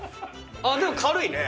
でも軽いね。